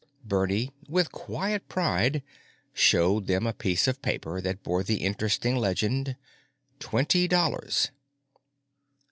Bernie, with quiet pride, showed them a piece of paper that bore the interesting legend Twenty Dollars.